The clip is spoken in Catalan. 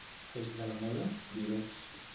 Els de la Mola, virots.